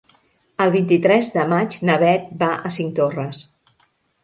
El vint-i-tres de maig na Beth va a Cinctorres.